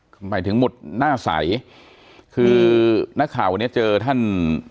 ทำไมถึงหมุดหน้าใสคือนักข่าววันนี้เจอท่าน